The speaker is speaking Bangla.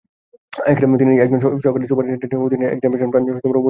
তিনি একজন সহকারী সুপারিন্টেডেন্টের অধীনে এক্সকাভেশন ব্রাঞ্চ পুনরুজ্জীবিত করেন।